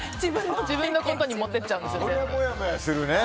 自分のことに持ってっちゃうんですね。